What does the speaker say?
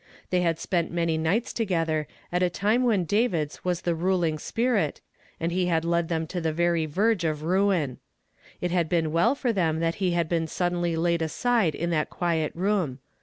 'Jliey had spent many nights together at a time when David's was the ruling spirit, and he had led them to the very verge of ruin. It had been well for them that he had been suddenly laid aside in that quiet room.